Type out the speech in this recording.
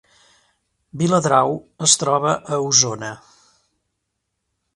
Viladrau es troba a Osona